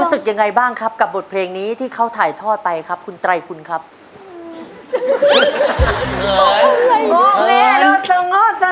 เพราะว่าเพราะว่าเพราะว่าเพราะว่าเพราะว่าเพราะว่าเพราะ